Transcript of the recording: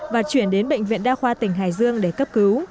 và chuyển đến bệnh viện đa khoa tỉnh hải dương để cấp cứu